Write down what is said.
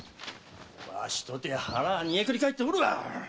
わしとて腹は煮えくり返っておるわ！